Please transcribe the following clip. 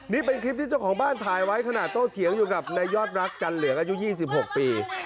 นี่เป็นคลิปที่เจ้าของบ้านถ่ายไว้ขณะโต้เถียงอยู่กับนายยอดรักจันเหลืองอายุ๒๖ปี